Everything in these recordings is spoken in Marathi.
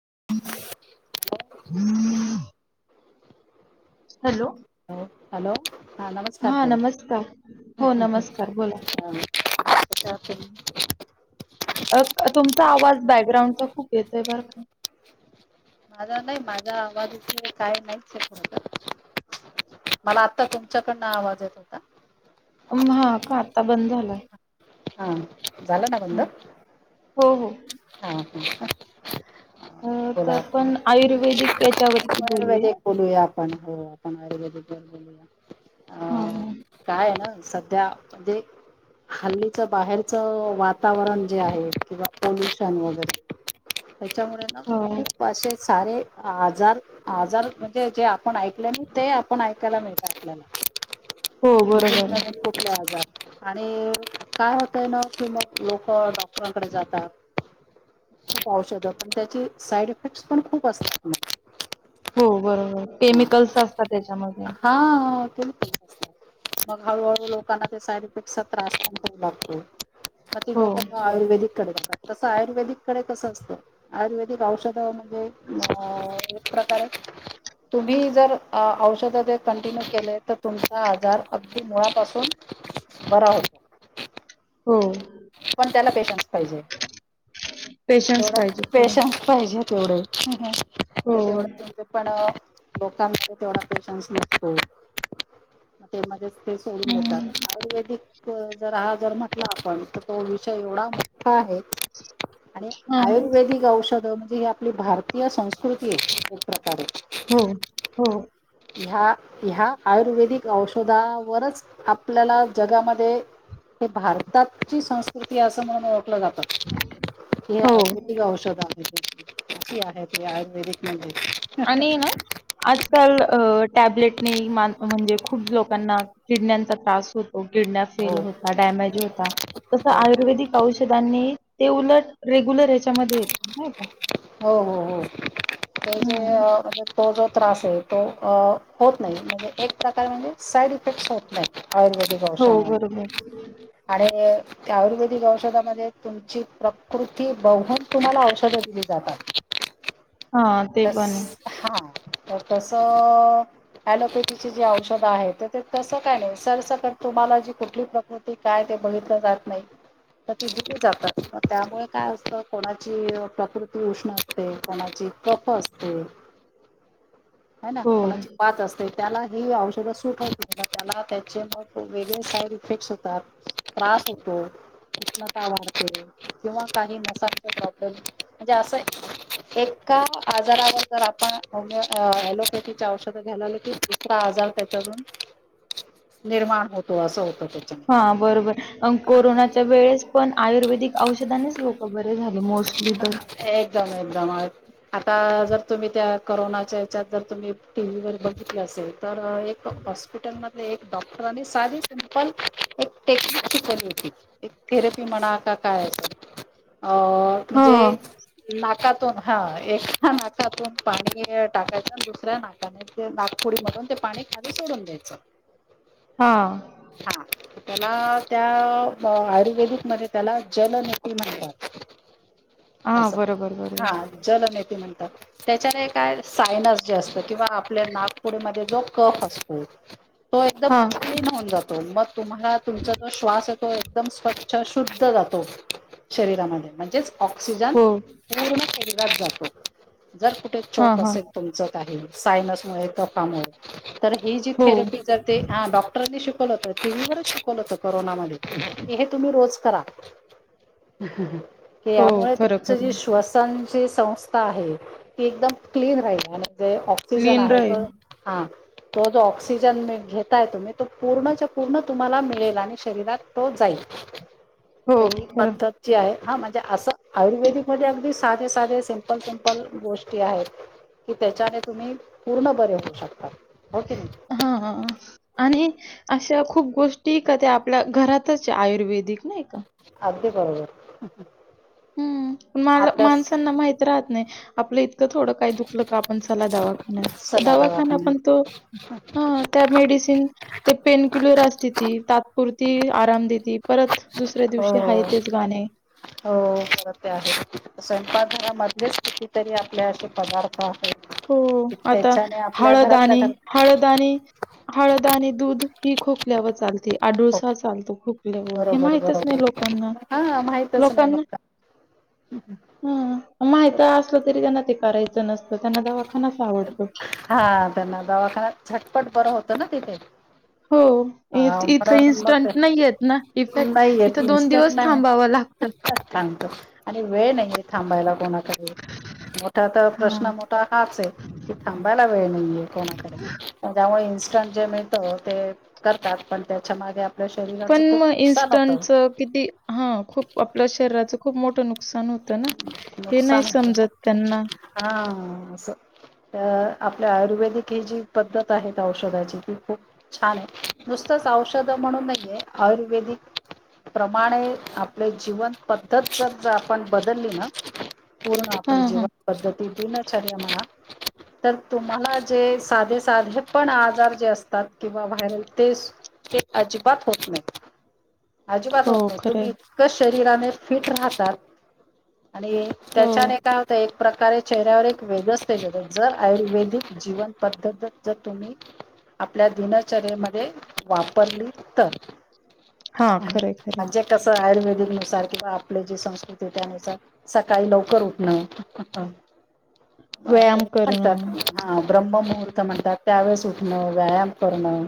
[inaudible] हॅलो हॅलो हा नमस्कार ताई, हो नमस्कार बोला. कशा आहात तुम्ही? अ तुमचा आवाज बॅग्राउंडचा खूप येतोय बर का! माजा नाही माजा आवाज स काय नाहीच आहे पुढंतर मला आता तुमच्याकडनं आवाज येत होता. म हा का आता बंद झालाय. हा झालं ना बंद हो हो हा ह अ, तर बोला की आपण आयुर्वेदिक याच्यावरती बोलूया. आयुर्वेदिक बोलुया आपण हो आपण आयुर्वेदिक वर बोलुया. अ हा हा काय आहे ना सध्या म्हणजे हाल्ली बाहेरच वातावरण जे आहे किंवा पोल्युशन वगैरे त्याच्यामुळे ना हो खूप आसेे सारे आजार आजार म्हणजे जे आपण ऐकले नाही ते आपण ऐकायला मिळत आपल्याला. हो बरोबर माहित नाही आहे कुठले आजार आणि काय होतंय ना कि मग लोक डॉक्टरांकडे जातात. खूप औषधं पण त्याची साईडी इफेक्ट्स पण खूप असतात मग. हो बरोबर केमिकल्स असतात त्येच्यामध्ये हो केमिकल्स असतात, मग हळूहळू लोकांना ते साईडी इफेक्ट्सचा त्रास पण होऊ लागतो. का ती हो लोक ना आयुर्वेदीक कडे जाता त तसं आयुर्वेदीक कडे कसं असतं, आयुर्वेदिक औषध म्हणजे म एक प्रकारे [inaudible] तुम्ही जर औषध ते कंटिन्यू केले तर तुमचा आजार अगदी मुळापासून बरा होतो. हो. पण त्याला पेशन्स पाहिजे, पेशन्स तेवढा पाहिजे खरं पेशन्स पाहिजेत. तेवढे हो ते तेवढ तुमचं पण लोकांमध्ये तेवढा पेशन्स नसतो ते मग ते मध्येच ते सोडून देतात, हम्म आयुर्वेदिक जर हा जर म्हटला आपण तो विषय एवढा मोठा आहे आणि हा आयुर्वेदिक औषध म्हणजे ही आपली भारतीय संस्कृती आहे एक प्र हो हो. ह्या ह्या आयुर्वेदिक औषधावरचं आपल्याला जगामध्ये हे भारतात ची संस्कृती असं म्हणुन ओळखलं जात की हे हो आयुर्वेदिक औषध कशी आहे ते आयुर्वेदिक म्हणजे आणि ना आजकाल अ टॅब्लेटनी मा म्हणजे खूप लोकांना किडन्यांचा त्रास हो तो, किडन्या हो फेल बरोबर ते उलट रेग्युलर ह्याच्यामध्ये येत नाही का हो-हो-हो हं. त्याच्या, तो जो त्रास आहे तो होत नाही म्हणजे एक प्रकारे म्हणजे साईड इफेक्ट्स होत नाहीत. आयुर्वेदिक हो औषधान बरोबर. आणि, त्या आयुर्वेदिक औषधामध्ये तुमची प्रकृती जातात. हां, ते पण आहे. बस हा. कस ॲलोपॅथीची जे औषध आहे ते तस काय नाही. सरसकट तुम्हाला जी कुठली प्रकृती काय ते बघितलं तर त दिली जातात. त्यामुळे काय कफ असतो. हाय ना हो. कोणाची वात असते. त्याला हे औषध सूट होत नाही. त्याला त्याचे मग वेगळे साईड इफेक्ट होतात. त्रास होतो. उष्णता वाढते किंवा काही मसालचा प्रॉब्लेम, म्हणजे असं एक का आजारावर जर आपण होमिओ अ ॲलोपॅथीची औषधं घ्यायलं लागलो की दुसरा आजार त्याच्या निर्माण होतो असं होत. हा बरोबर. कोरोनाच्या वेळेस पण आयुर्वेदिक औषधानेच लोक बरे झाले. मोस्टली तर. एकदम-एकदम. अ आता जर तुम्ही त्या करोनाच्या ह्याच्यात जर तुम्ही टी व्हीवर बघितलं असेल ल्या एक डॉक्टरांनी साधी सिंपल एक टेक्निक शिकवली होती. एक थेरपी म्हणा का काय अ हां, म्हणजे ना कातून हा एका नाकातून पाणी टाकायच आणि दुसऱ्या नाकाने ते नाकपुडी मधून पण ते पाणी खाली सोडून द्यायचं. हां, हा त्याला त्या आयुर्वेदिकमध्ये त्याला जल नती म्हणतात. हां. असं. बरोबर, बरोबर. हा जलनेती म्ह तात. त्याच्याने काय सायनस जे असत किंवा आपल्या नाकपुडीमध्ये जो कफ असतो तो एकदम हां, क्लीन होऊन जातो. मग तुम्हाला तुमचा जो श्वास आहे तो एकदम स्वच्छ शुद्ध जातो. शरीरामध्ये. म्हणजे ऑक्सिजन हो. पूर्ण शरीरात जातो. जर कुठे हां, चोक हां. असेल तुमचं काही सायनसमुळे, कफामुळे तर ही जी हो, थेरपी जर ते डॉक्टरांनी शिकवलं होतं टी वी वरच शिकवलं होतं कोरोनामध्ये. हे तुम्ही रोज करा. हो. यामुळे खरं, तुमच जी खरं. श्वसनची संस्था आहे, ती एकदम क्लीन राहील आणि जे ऑक्सिजन क्लीन आहे राहील. तो जो ऑक्सिजन घेताय तुम्ही तो पूर्णच्या पूर्ण तुम्हाला मिळेल आणि शरीरात तो जाईल. [inaudible] हो. तर ही खरं. पद्धत जी आहे, हा म्हणजे असं आयुर्वेदिकध्ये अगदी साधे-साधे सिंपल सिंपल गोष्टी आहेत, कि त्याच्याने तुम्ही पूर्ण बरे होऊ शकता. हं अं अ आणि अशा खूप गोष्टी अगदी बरोबर. हं. मला आपल्या माणसांना माहित राहत नाही. आपलं इतकं थोडं काय दुखल का आपण चला दवाखान्यात चला दवाखाना पण दवाखान्यात तो हा त्या मेडिसिन ते पेनकिलर असते ती, पुरती आराम देती. परत दुसऱ्या हो दिवशी हाय तेच गाणे. खरं ते आहेच. स्वयंपाक घरामधलेच कितीतरी आपले असे पदार्थ आहेत, हो की आता त्याच्याने आपल्या घरातल्या हळदआणि घरात हळद आणि हळद आणि दूध ही खोकल्यावर चालते. हो आडूळसा चालतो खोकल्यावर. हे बरोबर माहितच नाही लोकांना. बरोबर हा माहितच नाही लोकांना मग हं, माहीत असलं तरी त्यांना ते करायचं नसतं. त्यांना दवाखानाच आवडतो. हा त्यांना दवाखान्यात झटपट बर होतं ना तिथे. हो हा इथं म्हणून मग इन्स्टंट ते नाही येत ना इफेक्ट. नाही इथं दोन दिवस थांबाव लागतं. सांगतो आणि वेळ नाहीये थांबायला कोणाकडे मोठा तर प्रश्न हा मोठा हाच आहे की थांबायला वेळ नाहीये कोणाकडे त्यामुळे मिळतो ते करतात पण त्याच्या मागे पण शरीराचं खूप मग नुकसान होतं इनस्टनच कि हा खूप आपल्या शरीराच खूप मोठं नुक नुकसान हो ना त्यांना. हा अ आपल्या आयुर्वेदिक ही जी पद्धत आहे औषधाची ती खूप छान आहे नुसतच औषध म्हणूने आयुर्वेदिक प्रमाणे आपले जीवन पद्धत जर आपण बदलली ना पूर्ण हा आपली हा जीवन पद्धती दिनचर्या म्हणा तर तुम्हाला जे साधे साधे पण आजार जे असतात किंवा व्हायरल ते ते अजबात हत अजिबात हो होत नाही खरंय तुम्ही इतकं शरीराने फिट राहतात आणि हो. त्याच्याने काय होतं एक प्रकारे शवर एक वेग जर आयुर्वेदिक जीवन पद्ध जर तुम्ही आपल्या दिनचर्येमध्ये वापरली तर हा खरंय खरंय. म्हजे कसं आयुर्वेदिक किंवा आपले जी संस्कृती त्यानुसार सकाळी लवकर उठण व्यायाम म्हणतात करणं हा ब्रह्ममुहूर्त म्हणतात त्यावेेळेस उठणं व्यायाम करणं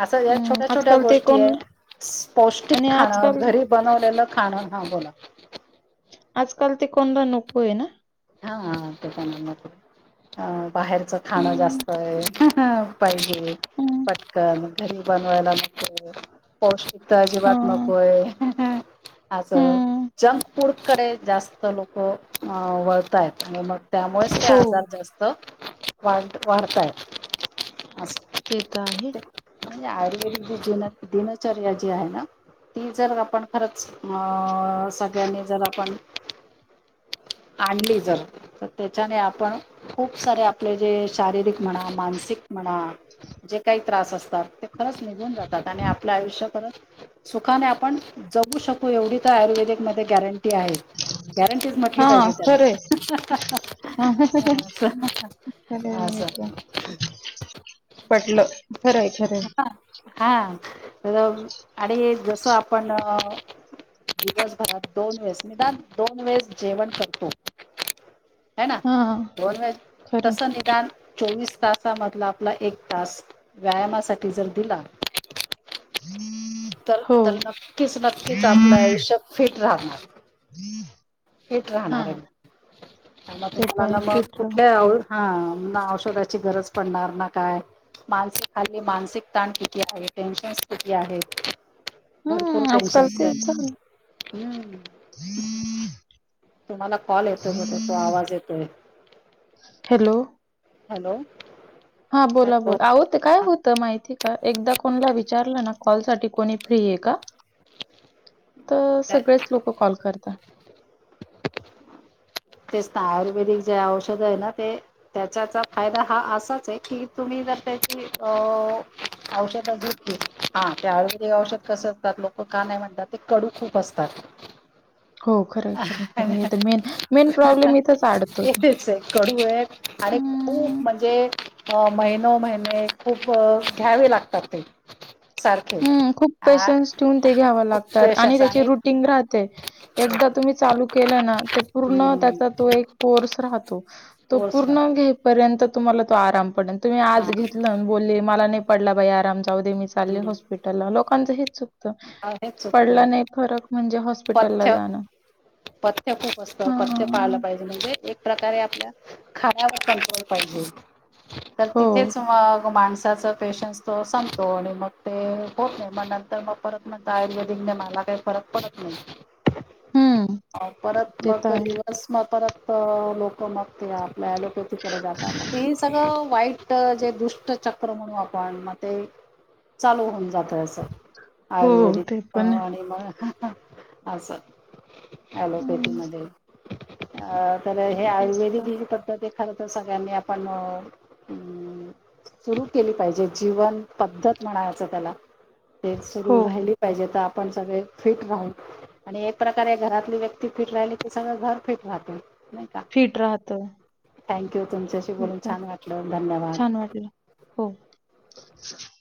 असं या हम्म छोट्या छोट्या आजकाल ते गोष्टी कोण आहे पौष्टिक आणि खाणं आजकाल घरी बनवलेलं खाणं हा बोला आजकाल ते कोणला नको आहे ना हा ते बाहेरच खाणं हम्म जास्त आहे पाहिजे हम्म पटकन घरी बनवायला नंत प हा एकताजबात नकय आज हम्म जंक फूडकडे जास्त लोक वळताय आणि मग त्यामुळेच ते हो आजार जास्त वा ते तर आहे वढताययर्वेद दिनचर्या जी आहे ना ती जर आपण खरंच अ सगळ्यांनी जर आपण आणलीच ज तर त्याच्याने आपण खूप सारे आपले जे शारीरिक म्हणा मानसिक म्हणा जे काही त्रास असतात ते खरंच निघून जातात आणि आपल्या आयुष्य ख सुखाने आपण जगू शकू एवढी तर आयुर्वेदिक मध्ये गॅरंटी आहे गॅरंटीच म्हटली हा पाहिजे त्याला खरंय खरं अस स पटलं खरंय खरंय हा हा आणि जसं आपण दिवसभरात दोन वेळेस निदान दोन वेळेस जेवण करतो ह ना हा नॉन व्हेज खरं तस निदान चोवीस तास मधला आपला एक तास व्यायामासाठी जर दिला तर हो तर नक्कीच नक्कीच आपलं आयुष्य फिट राहणार हेच हा राहणार आहे ते मगला ना पण मग फिटलं कुठल्या आ हा ना औषधाची गरज पडणार ना काय मास खा मानसिक ताण किती आहे? टेन्शन किती आहे? भरपूर हम्म आजकाल टेन्शन्स. ते चालू. हम्. तुम्हाला कॉल येतोय बहुतेक, तो आवाज येतोय. हॅलो हॅलो हा बोला हॅलो बोला. आओ ते काय होत त माहितीय का एकदा कोणाला विचारलं ना कॉल साठी कोणी फ्रीय का? त तर सगळेच लोक कॉल करता. तेच ना, आयुर्वेदिक जे औषधय ना, ते त्याच्याचा फायदा हा असाच आहे की तुम्ही [unintelligible] औषध घेतलीत ते [unintelligible] औषध कस [unintelligible] तात लोकं का नाही म्हणतात, ते कडू खूप असतात. हो खरय, खरय, खरय हे तर मेन, मेन प्रॉब्लेम इथंच अडतो. [unintelligible] तेचय कडूय आणि खूप हं. म्हणजे अ महिनो महिने खूप, घ्यावे लागतात ते. सारखे हं, खूप अ पेशन्स ठेवून ते घ्याव खूप लागता, आणि पेशन्स त्याची रुटीन राहते. एकदा तुम्ही चालू केलं ना, ते पूर्ण हम्म त्याचा तो एक कोर्स राहतो. तो कोर्स हा पूर्ण घेई पर्यंत तुम्हाला तो आराम पडण. तुम्ही आज घेतलं न बोलली, मला नाही पडला बाई आराम. जाऊ दे, मी चालले हॉस्पी टलला. लोकांच हेच चुकत, हेच पडला चुकतं नाही फरक म्हणजे हॉस् पथ्य, पथ्य खूप असत. पथ्य पाळलं हां. पाहिजे. म्हणजे एक प्रकारे आपल्या खाण्यावरं कंट्रोल पाहिजे. तर हो. तिथेच मग माणसं साचा पेशन्स तो संपतो आणि मग ते होत नाही, मग नंतर मग परत म्हणता आयुर्वेदिकने मला काय फरक पडत नाही. हं. परत ते तर मग आहे. दिवस मग परत तर लोक मग ते आपल्या ॲलोपॅथीकडे जाता, मग सगळं वाईट जे दुष्ट चक्र म्हणू आपण, मग ते चालू होऊन जात असं, हो, ते आयुर्वेदिक पण आहे. आणि मग असं अलोपॅथी हं. मधे. अ तर हे तेच तर. आयुर्वेदिक ही पद्धती खर तर, सगळ्यांनी आपण अ अंम सुरू केली पाहिजे. जीवन पद्धत म्हणायचं त्याला. ते हो, सुरू राहिली पाहिजे. तर आपण सगळे फिट राहू आणि एक प्रकारे घरातली व्यक्ती फिट राहिली की, सगळं घर फिट राहते. नाही का फिट राहतो. थँक्यू तुमच्याशी बोलून छान वाटल धन्यवाद. छान वाटलं. हो.